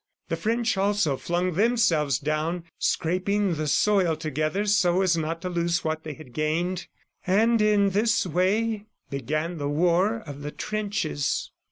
The French also flung themselves down, scraping the soil together so as not to lose what they had gained. ... And in this way began the war of the trenches."